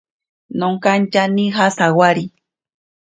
Nonkatya nija sawari.